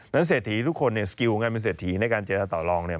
แล้วเศรษฐีทุกคนเนี่ยสกิลการเป็นเศรษฐีในการเจรจาต่อลองเนี่ย